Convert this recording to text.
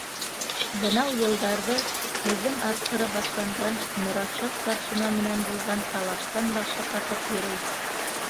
Бынау йылдарҙы һеҙҙең арҡыры башланған Моратша старшина менән булған талаштан башы ҡатып йөрөй.